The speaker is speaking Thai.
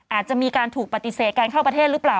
อาจจะมีการถูกปฏิเสธการเข้าประเทศหรือเปล่า